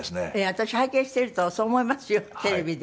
私拝見してるとそう思いますよテレビで。